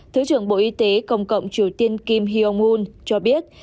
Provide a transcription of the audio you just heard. thứ trưởng bộ y tế cộng cộng triều tiên kim hyong un cho biết